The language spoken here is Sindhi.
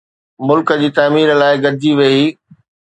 ملڪ جي تعمير لاءِ گڏجي ويھي